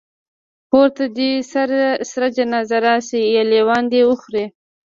کور ته دي سره جنازه راسي یا لېوان دي وخوري